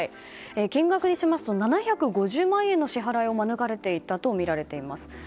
金額にしますと７５０万円の支払いを免れていたとみられています。